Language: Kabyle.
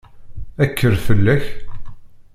Kker fall-ak!